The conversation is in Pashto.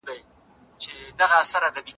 په دغي برخي کي ډېر نوي انجنیران په کار بوخت وو.